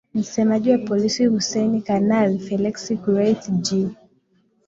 msemaji wa polisi hussen kanali felex kureithi j